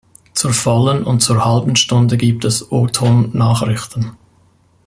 Zur vollen und zur halben Stunde gibt es O-Ton-Nachrichten.